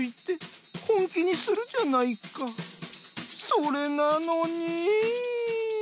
それなのにぃ」。